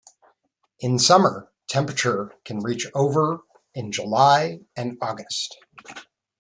In summer temperature can reach over in July and August.